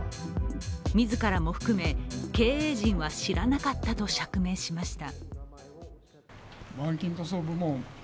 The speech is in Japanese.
自らも含め、経営陣は知らなかったと釈明しました。